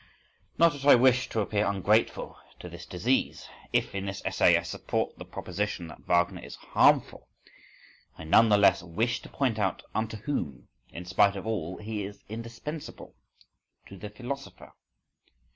Not that I wish to appear ungrateful to this disease. If in this essay I support the proposition that Wagner is harmful, I none the less wish to point out unto whom, in spite of all, he is indispensable—to the philosopher.